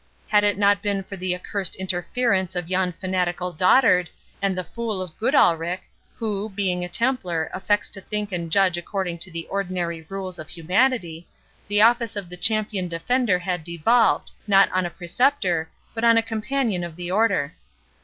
Had it not been for the accursed interference of yon fanatical dotard, and the fool of Goodalricke, who, being a Templar, affects to think and judge according to the ordinary rules of humanity, the office of the Champion Defender had devolved, not on a Preceptor, but on a Companion of the Order.